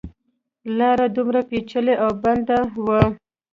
لاره دومره پېچلې او بنده وه.